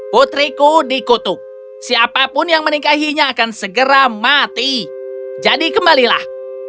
putriku dikutuk siapapun yang menikahinya akan segera mati jadi kembalilah